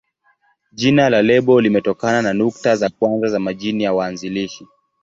Jina la lebo limetokana na nukta za kwanza za majina ya waanzilishi.